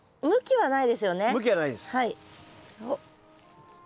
はい。